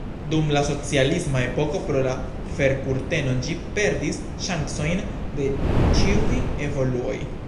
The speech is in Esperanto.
Dum la socialisma epoko pro la fer-kurteno ĝi perdis ŝancojn de ĉiuj evoluoj.